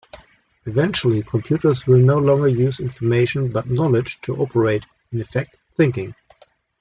Eventually computers will no longer use information but knowledge to operate, in effect "thinking".